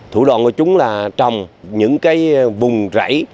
thủ đoàn của chúng là trồng những vùng rẫy